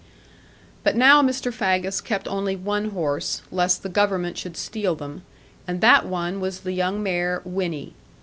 But now Mr. Faggus kept only one horse, lest the Government should steal them; and that one was the young mare Winnie.